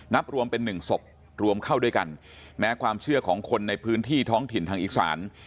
นับรวมเป็นหนึ่งศพรวมเข้าด้วยกันแม้ความเชื่อของคนในพื้นที่ท้องถิ่นทางอีสาน